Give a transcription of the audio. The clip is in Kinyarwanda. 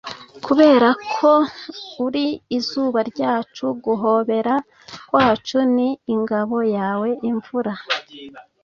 kuberako uri izuba ryacu, guhobera kwacu ni ingabo yawe imvura